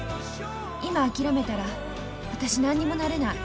今諦めたら私何にもなれない。